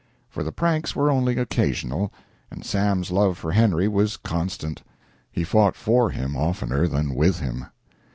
For the pranks were only occasional, and Sam's love for Henry was constant. He fought for him oftener than with him.